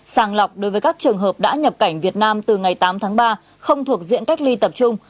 sàng lọc đối với các trường hợp đã nhập cảnh việt nam từ ngày tám tháng ba không thuộc diện cách ly tập trung